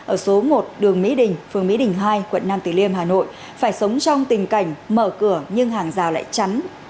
ở số một đường mỹ đình phường mỹ đình hai quận nam tử liêm hà nội phải sống trong tình cảnh mở cửa nhưng hàng rào lại chắn